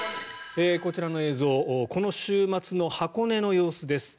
こちらの映像この週末の箱根の様子です。